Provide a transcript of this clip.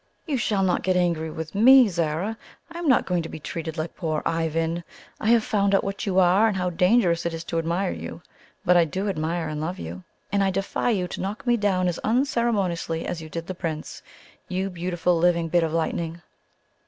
"You shall not get angry with ME, Zara. I am not going to be treated like poor Ivan. I have found out what you are, and how dangerous it is to admire you; but I do admire and love you. And I defy you to knock me down as unceremoniously as you did the Prince you beautiful living bit of Lightning!"